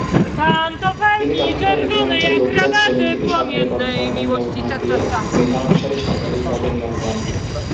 তিনি তখনকার রীতি অনুযায়ী অভিজাত শ্রেণী থেকে সরকারী কর্মকর্তা নিয়োগ না দিয়ে মেধা অনুসারে সরকারী পদে নিয়োগ দেন।